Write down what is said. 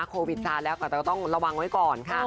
โควิดตอนแล้วก็ต้องระวังไว้ก่อน